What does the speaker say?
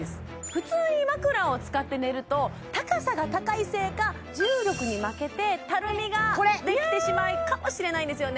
普通に枕を使って寝ると高さが高いせいか重力に負けてたるみができてしまうかもしれないんですよね